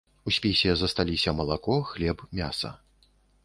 У спісе засталіся малако, хлеб, мяса.